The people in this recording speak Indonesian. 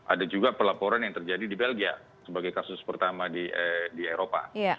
ada juga pelaporan yang terjadi di belgia sebagai kasus pertama di eropa